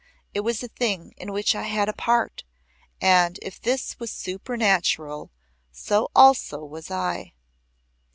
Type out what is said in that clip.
It was a thing in which I had a part, and if this was supernatural so also was I.